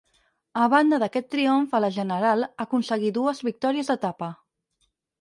A banda d'aquest triomf a la general aconseguí dues victòries d'etapa.